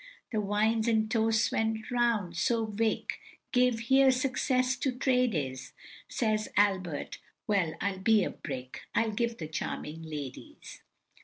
The wine and toasts went round, so Vic. Gave, "Here, success to trade is," Says Albert, "Well, I'll be a brick, I'll give 'The charming ladies.